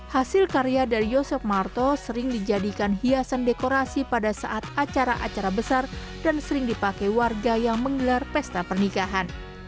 hasil karya dari yosep marto sering dijadikan hiasan dekorasi pada saat acara acara besar dan sering dipakai warga yang menggelar pesta pernikahan